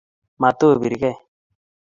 mato birke